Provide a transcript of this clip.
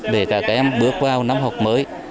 để các em bước vào năm học mới